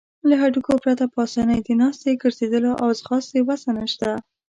له هډوکو پرته په آسانۍ د ناستې، ګرځیدلو او ځغاستې وسه نشته.